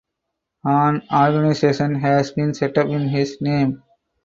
An organisation has been set up in his name.